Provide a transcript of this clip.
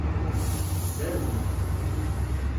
Zerwen.